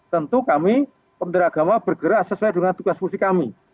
tentu kami pemerintah agama bergerak sesuai dengan tugas fungsi kami